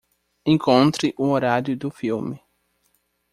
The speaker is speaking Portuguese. Encontre o horário do filme.